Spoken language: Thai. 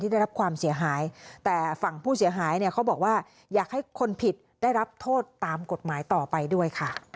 ที่ได้รับความเสียหาย